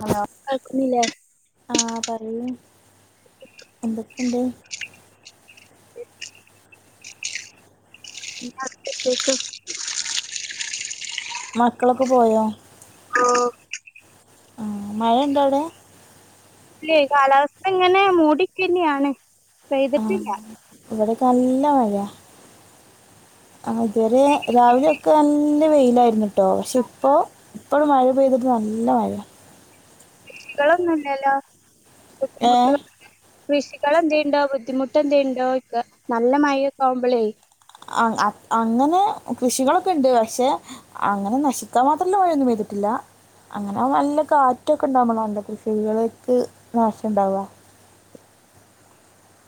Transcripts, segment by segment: ഹോ കേൾക്കുന്നില്ലേ ആഹ് പറ അ എന്തൊക്കെയണ്ട് ഉ എന്ന ശച്ച [unintelligible] മക്കളൊക്കെ പോയോ ഓ മഴണ്ടവടെ അല്ലെ കാലാവസ്ഥ ഇങ്ങനെ മൂടിക്കന്നെയാണ് പയ്തിട്ടില്ല ഇവിടെ നല്ല മഴ ആ ഇതുവരെ രാവിലെ നല്ല വേയിൽ കേട്ടോ പക്ഷെ ഇപ്പോ ഇപ്പോഴും മഴ പെയ്തിപ്പോ നല്ല മഴയ കൃഷി ളൊന്നുംല്ലല്ലോ ഏ കൃഷികൾെന്തതുണ്ടോ ബുദ്ധിമുട്ട് എന്തെയുണ്ടോ ഒ നല്ല മഴൊക്കെ ആവുമ്പോളായി അ അങ്ങനെ കൃഷികളൊക്കെ ഉണ്ട് പക്ഷെ അങ്ങനെ നശിക്കാൻ മാത്രല്ല മഴിയൊന്നും പെയ്തിട്ടില്ല അങ്ങനെ നല്ല കാറ്റൊക്കെ ഇണ്ടാവ്പള കൃഷികൾക്ക് നാശം ഇണ്ടാവ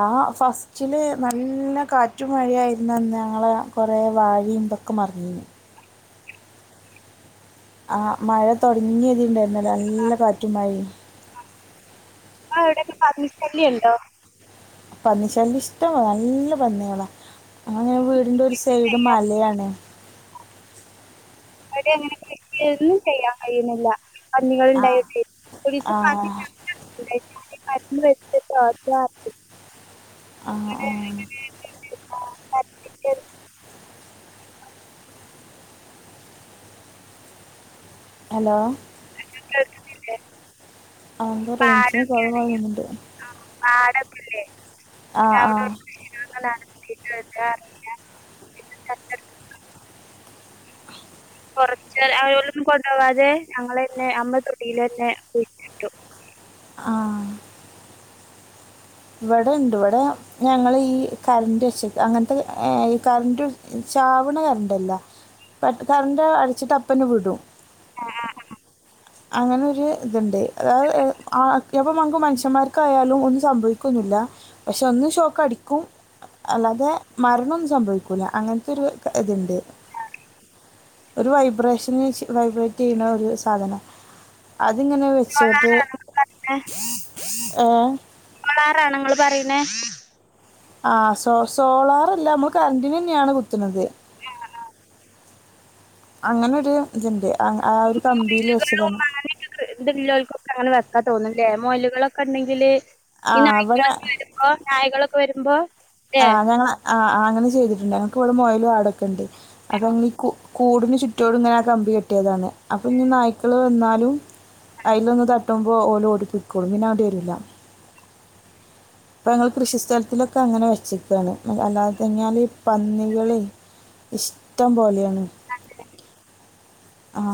ആ ഫസ്റ്റില് നല്ല കാറ്റു മഴ യായിുന്നന്ന് ഞങ്ങളെ കൊറെ വാഴയ ഇന്തൊക്കെ മറിഞ്ഞിു ആഹ മഴ തുൊടങ്ങിയതിുണ്ടായിരുന്നല്ല നല്ല കാറ്റുമായിഴ ആ എവിടൊക്കെ പന്നി ശല്യംണ്ടോ പന്നിശല്യം ഇഷ്ട നല്ല പന്നികളാ അങ്ങനെ വീടിന്റെ ഒരു സൈഡ് മലയാണ് അടെ അങ്ങനെ കൃഷിയൊന്നും ചെയ്യാൻ കഴിയുന്നില്ല പന്നികൾ ആ ഉണ്ടായിട്ടെ പോലീസ് ആ [unintelligible] [unintelligible] ആ ആ [unintelligible] ആഹർത്തിക്ക [unintelligible] ഹലോ കേൾക്കുന്നില്ലേ അവിധ റഞ്ചന് കുറവാത്തൊന്നുണ്ട് ആ അടത്തില്ലേ ഷ [unintelligible] ഉ ആറ ഫോറസ്റ്റ് അവയോ ഒന്നും കൊണ്ടു പോവാതെ ഞങ്ങൾ തന്നെ അമ്മ തൊടിൽ തന്നെ കുഴിച്ചിട്ടു ആ ഇവിടെ ഇണ്ട് ഇവിടെ ഞങ്ങ ഈ കറന്റ രക്ഷ അങ്ങനത്തെ ഈ കറന്റ ചവിണ കറണ്ട്ല്ല പ കറണ്ട് അടിച്ചിട്ട അപ്പന വിടും ആഹ് ആഹ്ഹ് അങ്ങനെൊ ഒരു ഇതുണ്ട് അതായത്പ്പം നമക്ക് മനുഷ്യന്മാർക്കായാലും ഒന്ന് സംഭവിക്ക ഒന്നുമല്ല പക്ഷെ ഒന്നും ഷോക്ക് അടിക്കും അല്ലാതെ മരണൊന്നും സംഭവിക്കൂില്ല അങ്ങനത്തെ ഒരു ഇതുണ്ട് ഒരു വൈബ്രേഷന് വൈബ്രേറ്റ് ചെയ്യുന്ന ഒരു സാധനം അതിങ്ങനെ വെച്ചിട്ട് ആഹ ആഹ നമ്മൾ ആരാണ് നിങ്ങ പറയുന്നേ ആ സോ സോളാറ അല്ല നമ്മ കറന്റിന് തന്നെയാണ് കുത്തുന്നത്. ആഹ ഹലോ അങ്ങനെ ഒരു ഇതിന്റെയാ [unintelligible] ഒക്കെ തോന്നുന്നില്ലേ. മോലുകളൊക്കെ ഉണ്ടെങ്കില് ആ ഈ അവടെ നായ്ക്കളൊക്കെ വരുമ്പോ നായകള ഒ വരുമ്പോ ആ് ല്ലേ ഞങ്ങള് ആ ആ അങ്ങനെ ചെയ്തിട്ടുണ്ടായിരുന്നു മോയില ആടക്കെ ഉണ്ട് അപ്പൊ [unintelligible] കൂടിന് ചുറ്റോടും ഇങ്ങനെ ആ കമ്പി കെട്ടിയതാണ് അപ്പൊ ഇ നായ്ക്കൾ വന്നാലും അതിലൊന്ന് തട്ടുമ്പോൾ ഓല ഓടിപ്പൊക്കോളും പിന്നെ അവിടെ വരില്ല അപ്പൊ ഞങ്ങൾ കൃഷി സ്ഥലത്തിലൊക്കെ അങ്ങനെ വ ചിക്കണ് അല്ലാതെത്തന്നെയല് ഈ പന്നികൾ ഇഷ്ടം പോലെയാണ് ഉ [inaudible]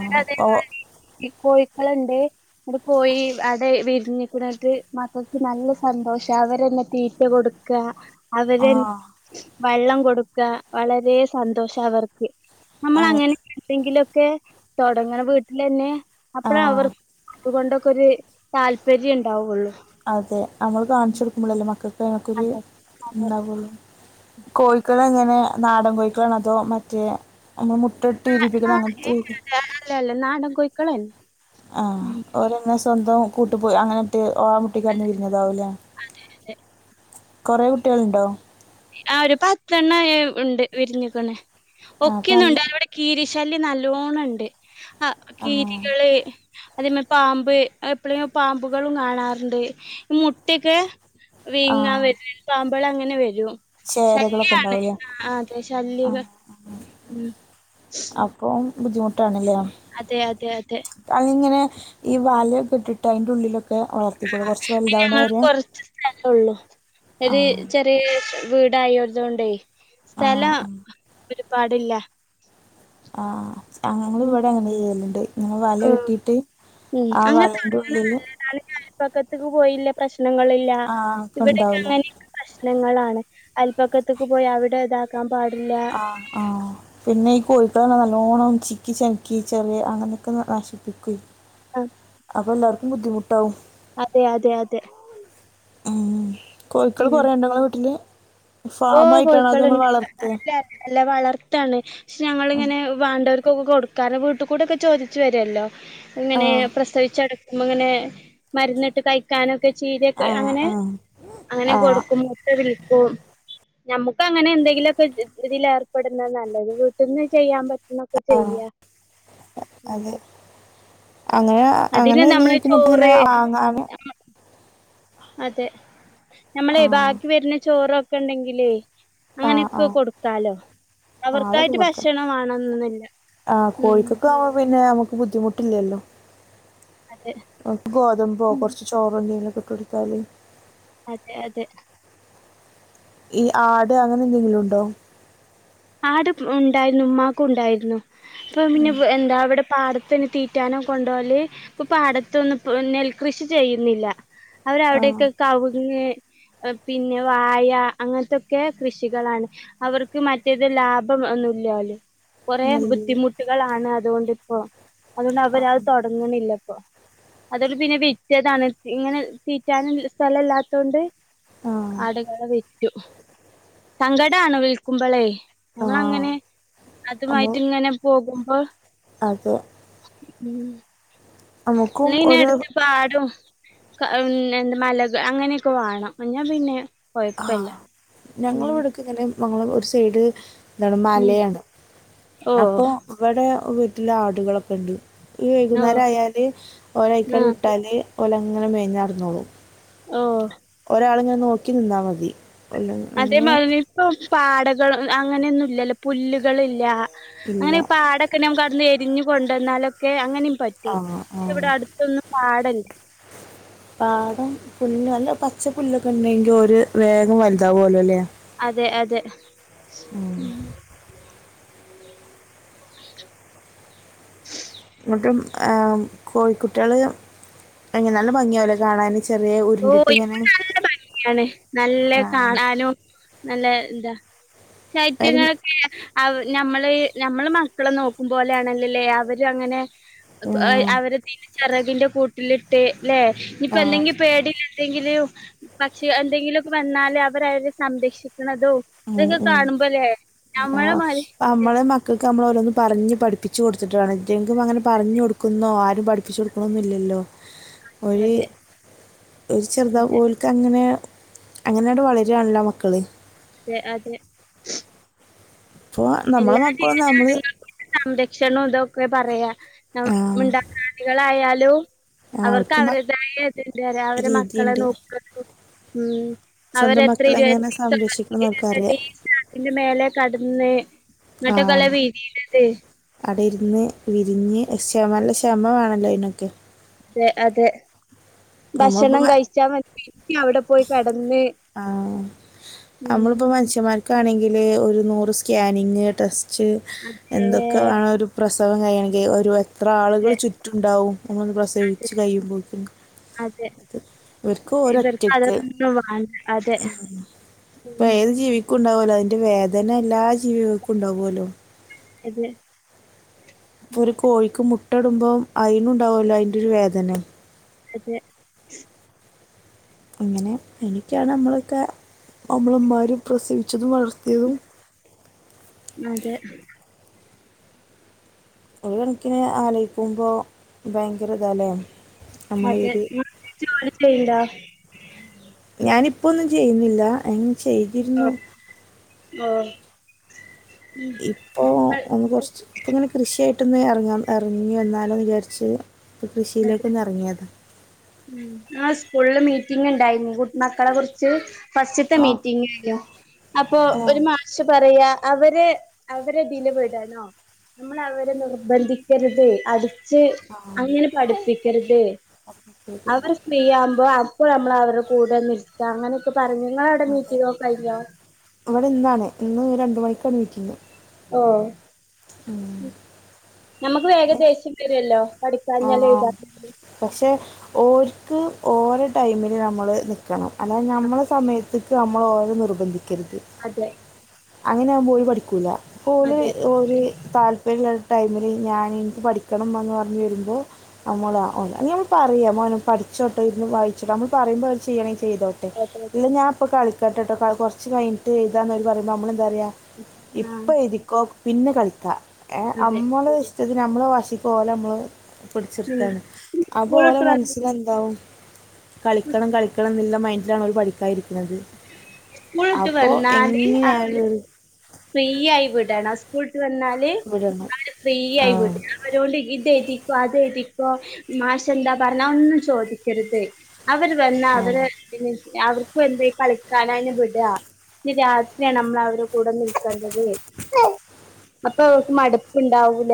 [unintelligible] മക്കളുണ്ട് അവിടെ പോയി അവിടെ [unintelligible] മക്കൾക്ക് നല്ല സന്തോഷമാണ് അവരന്നെ തീറ്റ കൊടുക്കുക അവര് ആഹ് വെള്ളം കൊടുക്കുക വളരെ സന്തോഷം അവർക്ക്. നമ്മള് ഏഹ് അങ്ങനെയൊക്കെ ഉണ്ടെങ്കിലും ഓക്കെ തൊടങ്ങണെ വീട്ടില് തന്നേ അപ്പറം അവർ ആഹ് അതുകൊണ്ടൊക്കെ ഒരു താല്പര്യം ഉണ്ടാവുള്ളൂ. അതെ. നമ്മൾ കാണിച്ചുടുക്കുമ്പോളല്ലേ മക്കക്ക് പേനക്കുര് അതെ അതെ ഉണ്ടാവൂള്ളൂ കോഴിക്കളെ എങ്ങനെ നാടൻ കോഴിക്കണതോ മറ്റേ അതിന്റെ മുട്ട ഏ അല്ല അല്ല നാടൻ കോഴി [unintelligible] ആഹ് ഓങ്ങെ സ്വന്തം കൂട്ടു പോയി അങ്ങനെത്തെ ഓമുട്ടിക്കറന്ന്‌ വിരിഞ്ഞതാവൂല്ലേ അതെ അതെ കൊറേ കുട്ടികളുണ്ടോ? ആ ഒരു പത്ത് എണ്ണംയെ ഉണ്ട് വിരിഞ്ഞു നില്ക്കുന്നെ ആഹ് അപ്പൊ നല്ല ഒക്കെന്നണ്ട് ഇവിടെ കീരി ശല്ല്യം നല്ലോണംഉണ്ട് ആ ആഹ് കീരികള് അതേമാ പാമ്പ് എപ്പഴും പാമ്പുകളും കാണാറുണ്ട് ഈ മുട്ടയൊക്കെ വിങ്ങാൻ വരുന്നുണ്ട് പാമ്പ് പ്പളങ്ങനെ വരും ശല്യാണ് ചേരകളൊക്കെണ്ടാവുല്ലേ ആ ആ അതെ ആ ശല്യക ഉം അപ്പം ബുദ്ധിമുട്ടാണ്ല്ലേ അതെ അതെ അതെ ഈ വലാെക്കെട്ട്ട്ട് അയ്ന്റെ ഉള്ളിലൊക്കെ വളർത്തിക്കൂടെ കുറച്ച് പിന്നെ വലുതാവണ ഞങ്ങക്ക് വരെ കൊർച്ച് സ്ഥല ഒള്ളു ഒരേ ആഹ് ചെറ്യേ വീടായോതാേണ്ടേ ആഹ് സ്ഥലം ആഹ് ഒരു പാടില്ല ആ ആ ഞങ്ങള് ഇവിടെ അങ്ങനെ ചെയ്യല് ഞങ്ങള് വല ഉം കെട്ടീട്ട് ആ വലന്റെ ഉള്ളില് പക്കത്തക്ക് പോയില്ലപ്രാശ്യ പ്രശ്നങ്ങളില്ല ആ ഒക്കെ ഇവിടെക്കെ ഉണ്ടാവൂലേ ആണെങ്കി പ്പ പ്രശ്നങ്ങളാണ് അയൽപക്കത്ത്ക്ക് പോയി അവിടെ താക്കാം ആ ആ പിന്നെ ഈ കോയി ഇതാണേ നല്ലോണം ചിക്കിചെൻക്കി ച്ചല് അങ്ങനൊക്കെ നശ്പ്പിക്കുവേ ആ അപ്പെല്ലാർക്കും ബുദ്ധിമുട്ടാവും അതെ അതെ അതെ ആ കോഴിക്കള് കാെറേണ്ടെങ്ങളെ വീട്ടില് ഓ ഫാം ആയിട്ടാണോ അതോ ഇങ്ങള് കോയ്ക്കൾണ്ട് വളർത്തേ [unintelligible] ല്ല അല്ല വളർത്താണ് പക്ഷെ ഞങ്ങളിങ്ങനെ വാണ്ട കൊടുക്കാന് വീട്ട്ക്കൂടെക്കെ ചോദിച്ച് വരുഅല്ലോ ആ ങ്ങനെ പ്രസവിച്ചെട് മ്പങ്ങനെ മര്ന്ന്ട്ട് കഴിക്കാനാെ ആ ചീരൊക്കെ അങ്ങനെ ആ അങ്ങനെ ആ കൊടുക്കും [unintelligible] ക്കും ഞമ്മക്ക് അങ്ങനെ എന്തെങ്കിലാെക്കെ ഇതില് ഏർപ്പെടുന്ന നല്ലത് വീട്ട്ന്ന് ചെയ്യാൻ പ ന്നൊക്കെ ചെയ്യ അതെ അങ്ങനെ അങ്ങനെ നിങ്ങക്ക് മുട്ടങ്ങനെ വാങ്ങാന് അതെ ഞമ്മളെ ആ ബാക്കി വര്ണ ചോറൊ ഒണ്ടെങ്കിലുവേ ആ ആ അങ്ങനെയൊക്കെ കൊടുക്കാലോ ആ അതൊക്കെ അവർക്കായിട്ട് കൊടുക്കാം ഭക്ഷണം വേണോന്നു ഒന്നുമില്ല ആഹ് ഉം കോഴിക്കൊക്കെ ആവുമ്പോ പിന്നെ നമുക്ക് ബുദ്ധിമുട്ടില്ലല്ലോ അതെ ഗോതമ്പോ ഉം കുറച്ച് ചോറണ്ടെല്ല- കൊടുത്താല് അതെ അതെ ഈ ആട് അങ്ങനെ എന്തെങ്കിലും ഉണ്ടോ ആട് ഉണ്ടായിരുന്നു ഉമ്മാക്കും ഉണ്ടായിരുന്നു അപ്പ പിന്നെ ഉം എന്താ അവിടെ- പാടത്തിന് തീറ്റാനോ കൊണ്ട് പോകല് ഇപ്പൊ പാടത്തൊന്നും നെൽകൃഷി ചെയ്യുന്നില്ല അവർ ആഹ് അവിടേയൊക്കെ കവുങ്ങ് - പിന്നെ വായ അങ്ങനത്തൊക്കെ കൃഷികളാണ് അവർക്ക് മറ്റേ മറ്റേത് ലാഭം ഒന്നും ഇല്ല പോലും കുറേ നെല്ലില് ബുദ്ധിമുട്ടുകളാണ് അതുകൊണ്ടിപ്പോ- അതുകൊണ്ട് അവര് അത് ആഹ് തുടങ്ങണില്ലന്ന് അതോണ്ട് പിന്നെ വിറ്റതാണ് ഇങ്ങനെ തീറ്റാന് സ്ഥലല്ലാതോണ്ട് ആഹ് ആട്കളെ വിറ്റ് സങ്കട ആണോ വിൽക്കുമ്പളേ ആഹ് നമ്മളങ്ങനെ അതുമായിട്ട് ഇങ്ങനെ പോകും ആ അത് ഉം ല്ല ഇനെ ഒരു എട്ത്ത് പാടും ക ഹം എൻമലക അങ്ങനെക്കെ വാണം ഞാൻ പിന്നെ കൊയ്പ്പല്ല ഞങ്ങളവിടക്കങ്ങനെ [unintelligible] ഒര് സൈഡ് ന്താണ് ഉം മലേണ് ഓ അപ്പൊ വടെ വ് റ്റില ആടുകളൊക്കെണ്ട് ഈ ഓ വൈകുന്നാരായാല് ആ ഓരയ്ക്കാണ്ട് വ്ട്ടാല് ഓലങ്ങനെ മേഞ്ഞാട്ന്നോളും ഓ ഒരാള്ങ്ങനെ നോക്കി നിന്നാ മതി അല്ല അങ്ങനെ അതേമാതിരി ഇപ്പം പാടകൾ ഹ് അങ്ങനെയൊന്നുല്ലല്ലോ പുല്ലുകളില്ല ഇല്ല അങ്ങനെ പാടൊക്കെ [unintelligible] ഇഞ്ഞി കൊണ്ടന്നാലൊക്കെ അങ്ങനെ പറ്റും ആ ആ പക്ഷെ ഇവിടെ അടുത്തൊന്നും പാടല്ല പാടം പുല്ല് അല്ല പച്ച പുല്ലൊക്കെ ഉണ്ടെങ്കി ഒരു വേഗം വലുതാവോലോ ലേ അതെ അതെ ഉം ടും ഏ കോഴിക്കുട്ടികള് അങ്ങനെ നല്ല ഭംഗിയാവില്ലേ കാണാൻ ചെറിയ ഓഹ് ഉരുണ്ടിട്ട് ഇ ഇങ്ങനെ നല്ല ഭംഗിയാണ് നല്ല ആ കാണാനും നല്ല എന്താ ഒരു ശൈത്യങ്ങളൊക്കെ അവ് നമ്മള് നമ്മള് മക്കള നോക്കും പോലൊയാണല്ലെ ല്ലേ അവര് അങ്ങനെ ആ അവരെ തിരിച്ചറി [unintelligible] കൂ [unintelligible] [unintelligible] ഇനിപ്പ ആ അല്ലെങ്കി പേടിയില്ലാണ്ട് [unintelligible] പക്ഷെ എന്തെങ്കിലൊക്കെ വന്നാല് അവര് അവരെ സംരക്ഷിക് മ്ഹ് മ്ഹ് [unintelligible] ഇപ്പ നമ്മളെ മാതിരി അമ്മളെ മക്കക്ക് അമ്മള് ഓരോന്ന് പറഞ്ഞ് പഠി [unintelligible] കൊടുത്തിട്ടാണ്. [unintelligible] അങ്ങനെ പറഞ്ഞു കൊടു [unintelligible] ആരും പഠിപ്പിച്ചു കൊടുക്കണോന്നും ഇല്ലല്ലോ ഒര് അതെ ഒരു ചെറുത അതെ ഓല്ക്ക് അങ്ങന [unintelligible] അങ്ങനെ അങ്ങട് വളരുവാണല്ലോ മക്കള് [unintelligible] അതെ അപ്പോൾ നമ്മളെ എല്ലാ മക്കളും നമ്മൾ ജീവജാലങ്ങൾക്കും ഇത് സംരക്ഷണം ഇതൊക്കെയാ പറയാ നം ആ [unintelligible] [unintelligible] ആ അവർക്ക് അവർക്കും അവരേതായ ഇത് ഒണ്ട് [unintelligible] അവരെ മക്കളെ രീതിയുണ്ട് [unintelligible] ഉം സ്വന്തം അവരത്ര മക്കളെ എങ്ങനെ ഇരുവത്തീസൊന്ന് സംരക്ഷിക്കണം അവർക്കറിയാം ഇരുവതെട്ടീസാ അതിന്റെ മേലെ കടന്ന് ആ നട്ടകല വീതീനതെ ഒന്ന് വിരിഞ്ഞ് ക്ഷമ നല്ല ക്ഷമ വേണല്ലോയ്നൊക്കെ തെ അതെ ഭക്ഷണം നമ്മളിപ്പോൾ കഴിച്ചാ മതി ക്കു അവിടെ പോയി പേ ആ ഉം നമ്മളിപ്പോ മനുഷ്യന്മാർ ഒക്കെ ആണെങ്കിൽ ഒരു നൂറ് സ്കാനിങ്ങ് ടെസ്റ്റ് ച് അതെ എന്തൊക്കെ വേണ ഒരു പ്രശ് സവം കഴിയണെങ്കിൽ ഒരു വ അത്ര ആളുകൾ അതെ ചുറ്റുണ്ടാവും ഒന്ന് അതെ പ്രസവിച്ച് കഴിയുമ്പോൾ അതെ ഓർക്ക് ഇവർക്ക് ഒരൊറ്റക്ക് അതൊന്നും വാണ്ട അതെ ഉം ഇപ്പ ഉം ഏത് ജീവി ക്കും ഉണ്ടാവല അതിന്റെ വേദന എല്ലാ ജീവികൾക്കും ഉണ്ടാവുമല്ലോ? അതെ ഇപ്പൊ ഒരു കോഴിക്ക് മുട്ട ഇടുമ്പോം അയിനുണ്ടാവല്ലോ അതിന്റെ ഒരു വേദന അതെ അങ്ങനെ എനിക്കാണ് നമ്മളൊക്കെ നമ്മളും ഉമ്മാരും പ്രസ അതെ ഒരു കണക്കിന് ആലോയിക്കുമ്പോ ഭയങ്കര ഇതാലേ അതെ ന ജോലി ചെയ്യണ്ട ഞാനിപ്പൊന്നും ചെയ്യുന്നില്ല എൻ ചെയ്തിരുന്നു. ആ ഇപ്പൊ ഒന്ന് കൊറച്ച് ഇപ്പ ഇങ്ങനെ കൃഷിയായിട്ടൊന്ന് ഇറങ്ങാം ഇറങ്ങി വന്നാലും വിചാരിച്ച് ഇപ്പ കൃഷിയിലേക്കൊന്ന് ഇറങ്ങിയതാ ഉം ആ സ്കൂളില് മീറ്റിങ്ങ് ഇണ്ടായിരുന്നു കു മക്കളെ കുറിച്ച് ഫസ്റ്റത്തെ ആ മീറ്റിങ്ങ് ഏന്നു അപ്പൊ ആ ഒരു മാഷ പറയാ അവരെ അവരെ വിലപടാനോ നമ്മൾ അവരെ നിർബന്ധിക്കരുത് അത് ച്ച് ആഹ് അങ്ങനെ പഠിപ്പിക്കരുത്. അപ്പൊ ശരി അവർ ഫ്രീയാവുമ്പോ അവ് പോൾ നമ്മള അവരുടെ കൂടെ നിൽക്ക അങ്ങനെയൊക്കെ പറഞ്ഞു നിങ്ങളെ അവിടെ അതെ മീറ്റിംഗ് ഒക്കെ കഴിഞ്ഞോ ഇവിടെ ഇന്നാണ് ഇന്ന് രണ്ട് മണിക്ക് പെ മീറ്റിംഗ് ആഹ നമുക്ക് വേഗം ദേഷ്യം വരൊല്ലോ? പഠിക്കാഞ്ഞാല് ആഹ് എഴുതാഞ്ഞാ പക്ഷെ ഓര്ക്ക് ഓലെ ടൈമില് നമ്മള് നിക്കണം അലാ ഞമ്മളെ സമയത്ത് ത് നമ്മള് ഓലെ നിർബന്ധിക് അതെ അങ്ങനെയ ആകുമ്പോ പോയി പഠിക്കൂല ഓല് അതെ ഓല് താല്പര്യണ്ടാ ടൈമില് ഞാൻ ഇൻക്ക് പഠിക്കണംന്ന് പറഞ്ഞ് വരുമ്പോ നമ്മള് ഒന്നാമത് നമ്മള് പറയാ മോനെ പഠിച്ചോട്ടെ ഇരുന്ന് വായിച്ച് നമ്മൾ പറയുമ്പോൾ അവത്ര് ചെയ്യണെങ്ക ചെയ്തോട്ടെ അതെ അതെ ഇല്ല ഞാൻ ഇപ്പൊ കള ട്ടട്ടട്ടോ കൊർച്ച് കയിഞ്ഞിട്ട്എഴുതാന്ന് പറയുമ്പൾ നമ്മള് കറിയാ ഇപ്പൊ ആഹ് എഴുതിക്കോ പിന്നെ കളിക്ക ഏ അതെ അമ്മള് ഇത് നമ്മളെ വശിക്ക് ഓലെ നമ്മള് ഉം പിടിച്ചിർത്താണ് അപ്പൊ സ്കൂൾ ഓലെ വിട്ട് വ മനസ്സിലെന്താവും കളിക്കണം കളിക്കണം ന്നില്ല മൈൻഡിലാണ് ഒരു പഠിക്കായിരിക്ക തള്ളത് സ്കൂൾ വിട്ട് അപ്പോൊ എങ്ങനെയ ഉം ഫ്രീയായി വിടണം ടസ്കൂൾ വന്നാല് വിടണം അവര് ഫ്രീ ആയിട ആഹ് അവരോട് ഇപ്പൊ അത് എഴുതിക്കൊ മാഷെന്താ പർ ഞ്ഞാ അതൊന്നും ചോദിക്കരുത് അവര് വന്ന ആഹ് അവരെ തിന് അവർക്കും എന്തേ കളിക്കാനായിന് വിട ഇഞ് രാത്രിയാണ് നമ്മള് അവരുടെ കൂടെന്ന് ക്കണ്ടത് അപ്പൊ അവക്ക് മടുപ്പുണ്ടാവൂല